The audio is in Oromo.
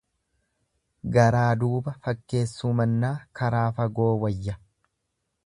Garaa duuba fakkeessuu mannaa karaa fagoo wayya.